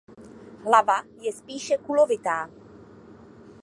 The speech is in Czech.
Hlava je spíše kulovitá.